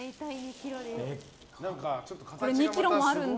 これ、２ｋｇもあるんだ。